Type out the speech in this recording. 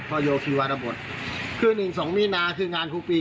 โยชีวรบทคือหนึ่งสองมีนาคืองานครูปี